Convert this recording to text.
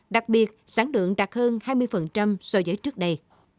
đặc biệt sản lượng đạt hơn hai mươi so với trước đây